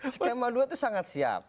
skema dua itu sangat siap